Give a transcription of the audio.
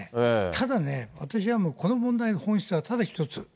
ただね、私はもう、この問題の本質はただ一つ。